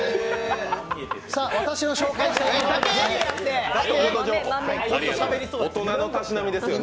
私の紹介したい大人のたしなみですよね。